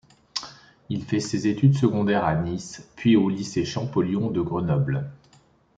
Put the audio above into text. Il fait ses études secondaires à Nice, puis au lycée Champollion de Grenoble.